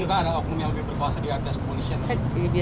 kita ada hukum yang lebih berpuasa di atas komunisional